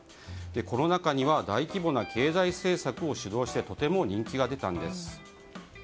コロナ禍には大規模な経済政策を主導してとても人気が出たんです。